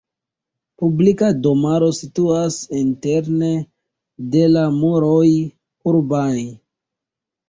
Publika domaro situas interne de la muroj urbaj.